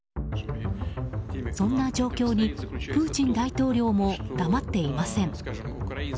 そんな状況にプーチン大統領も黙っていません。